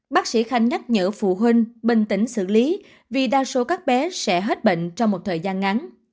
bác sĩ khanh nhắc nhở phụ huynh bình tĩnh xử lý vì đa số các bé sẽ hết bệnh trong một thời gian ngắn